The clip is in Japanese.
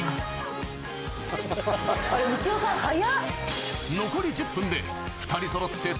みちおさん早っ。